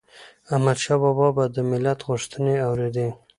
احمدشاه بابا به د ملت غوښتنې اوريدي